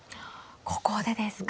ここでですか。